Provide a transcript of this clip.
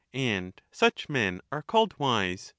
And such men are called wise.